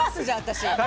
じゃあ私。